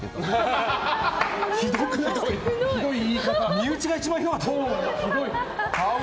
身内が一番ひどかった。